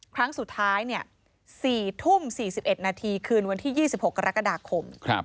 ครั้งสุดท้าย๔ทุ่ม๔๑นาทีคืนวันที่๒๖กรกฎาคม